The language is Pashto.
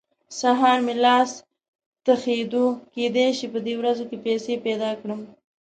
سهار مې لاس تخېدو؛ کېدای شي په دې ورځو کې پيسې پیدا کړم.